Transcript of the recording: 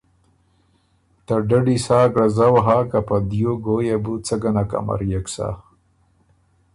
ته ډډی سا ګړزؤ هۀ که په دیو ګویٛ يې بُو څۀ ګۀ نک امريېک سۀ۔